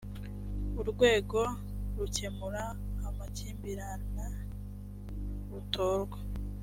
urwego rukemura amakimbirana rutorwa